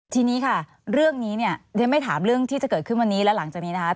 ทีนี้ค่ะเรื่องนี้เนี่ยเรียนไม่ถามเรื่องที่จะเกิดขึ้นวันนี้และหลังจากนี้นะคะ